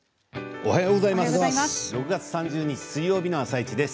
おはようございます。